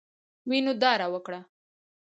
وینو داره وکړه.